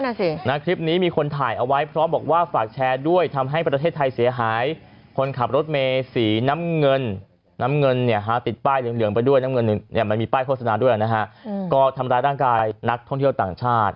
นั่นสินะคลิปนี้มีคนถ่ายเอาไว้เพราะบอกว่าฝากแชร์ด้วยทำให้ประเทศไทยเสียหายคนขับรถเมสีน้ำเงินน้ำเงินเนี่ยฮะติดป้ายเหลืองไปด้วยน้ำเงินเนี่ยมันมีป้ายโฆษณาด้วยนะฮะก็ทำร้ายร่างกายนักท่องเที่ยวต่างชาติ